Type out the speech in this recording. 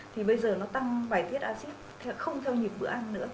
thì bây giờ nó tăng bài thiết axit không theo nhịp bữa ăn nữa